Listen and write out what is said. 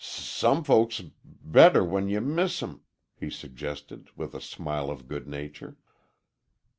"S some folks b better when ye miss 'em," he suggested, with a smile of good nature.